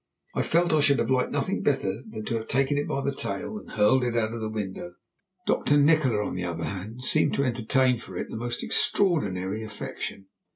I felt I should have liked nothing better than to have taken it by the tail and hurled it out of the window. Nikola, on the other hand, seemed to entertain for it the most extraordinary affection.